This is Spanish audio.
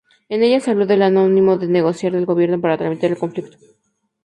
En ella se habló del ánimo de negociar del gobierno para terminar el conflicto.